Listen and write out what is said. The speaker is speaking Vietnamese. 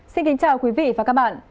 xin kính chào quý vị và các bạn